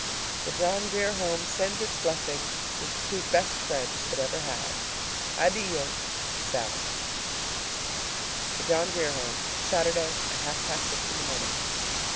The John Grier Home sends its blessing to the two best friends it ever had! ADDIO! SALLIE. THE JOHN GRIER HOME, Saturday at half past six in the morning!